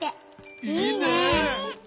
いいね！